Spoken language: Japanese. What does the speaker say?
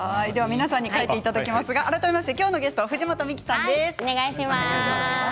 皆さんに書いていただきますが改めまして今日のゲストは藤本美貴さんです。